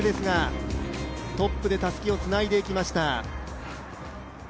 トップでたすきをつないでいきました。